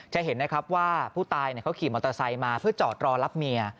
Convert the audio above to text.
จะเห็นนะครับว่าผู้ตายเขาขี่มอเตอร์ไซค์มาเพื่อจอดรอรับเมีย